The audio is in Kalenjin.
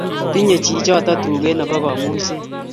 Tinyei chichoto tuget nebo kamuiset